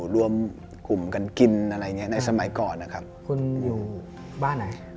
รวมกลุ่มกันกินอะไรเนี่ยในสมัยก่อนนะครับคุณอยู่บ้านไหน